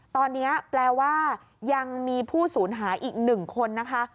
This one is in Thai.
ตอนนี้แปลว่ายังมีผู้สูญหายอีก๑คนนะคะ